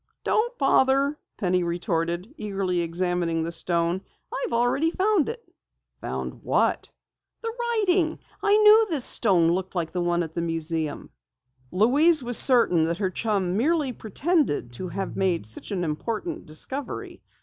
"Don't bother," Penny retorted, eagerly examining the stone. "I've already found it." "Found what?" "The writing! I knew this stone looked like the one at the museum!" Louise was certain that her chum merely pretended to have made such an important discovery.